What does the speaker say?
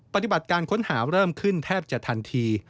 ปฏิบัติการค้นหาเริ่มขึ้นแทบจะทันที